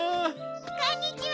・こんにちは！